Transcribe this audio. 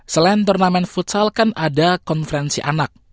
selain turnamen futsal kan ada konferensi anak